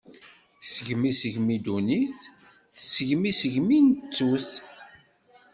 Tesgem isegmi dunnit, tesgem isegmi n ttut.